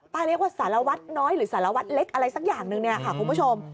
เรียกว่าสารวัตรน้อยหรือสารวัตรเล็กอะไรสักอย่างนึงเนี่ยค่ะคุณผู้ชม